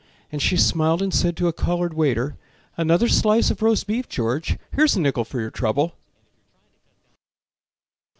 And she smiled and said to a colored waiter: "Another slice of roast beef, George. Here's a nickel for your trouble."